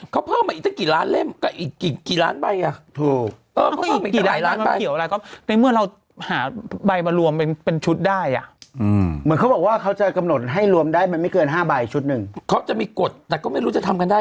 เขาเพิ่มมาอีกเท่ากิตรล้านเล่มอีกกี่ล้านใบ